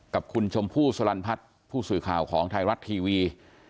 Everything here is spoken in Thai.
กับคุณชมพู่สลันพัฒน์ผู้สื่อข่าวของไทยรัฐทีวี